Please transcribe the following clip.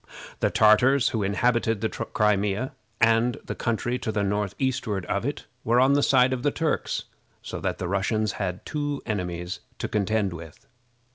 The Tartars who inhabited the Crimea and the country to the northeastward of it were on the side of the Turks, so that the Russians had two enemies to contend with.